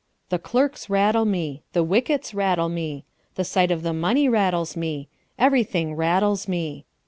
The clerks rattle me; the wickets rattle me; the sight of the money rattles me; everything rattles me.